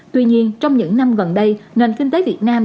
tuy nhiên trong những năm gần đây nền kinh tế việt nam